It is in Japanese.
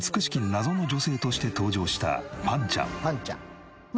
謎の女性として登場したぱんちゃん。